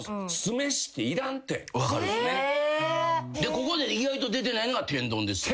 ここで意外と出てないのが天丼ですよね。